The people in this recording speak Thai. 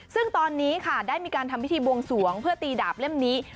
ซึ่งตอนนี้ค่ะได้มีการทำพิธีบวงสวงเพื่อตีดาบเล่มนี้